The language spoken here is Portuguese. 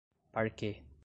parquet